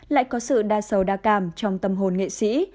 lại có sự đa sầu đa cảm trong tâm hồn nghệ sĩ